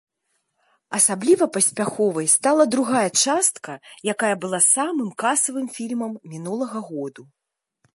Асабліва паспяховай стала другая частка, якая была самым касавым фільмам мінулага году.